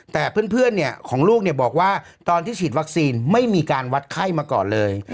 แต่เพื่อนเพื่อนเนี่ยของลูกเนี่ยบอกว่าตอนที่ฉีดวัคซีนไม่มีการวัดไข้มาก่อนเลย